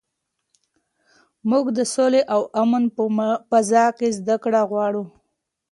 موږ د سولې او امن په فضا کې زده کړه غواړو.